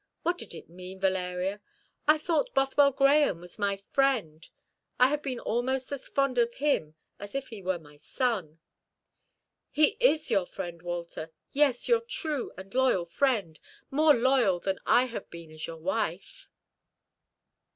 What did it mean, Valeria? I thought Bothwell Grahame was my friend. I have been almost as fond of him as if he were my son." "He is your friend, Walter; yes, your true and loyal friend more loyal than I have been as your wife."